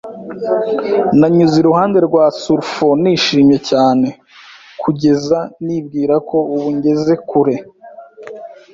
Nanyuze iruhande rwa surf nishimye cyane, kugeza, nibwira ko ubu ngeze kure